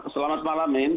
selamat malam min